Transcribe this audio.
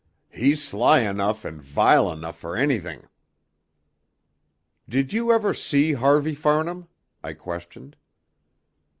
"He's sly enough and vile enough for anything." "Did you ever see Harvey Farnham?" I questioned.